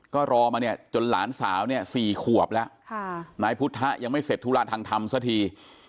ก็รอมาเนี่ยจนหลานสาวเนี่ย๔ขวบแล้วนายพุทธะยังไม่เสร็จธุระทางธรรมสักที